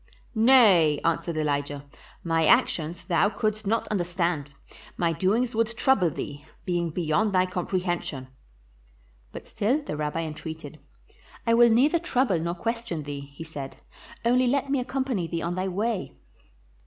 "Nay," answered Elijah; "my actions thou couldst not understand; my doings would trouble thee, being beyond thy comprehension." But still the Rabbi entreated. "I will neither trouble nor question thee," he said; "only let me accompany thee on thy way."